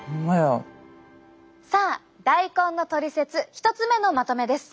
さあ大根のトリセツ１つ目のまとめです。